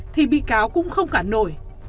thì bị cáo cũng không cản nổi